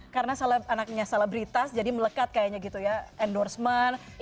karena anaknya selebritas jadi melekat kayaknya gitu ya endorsement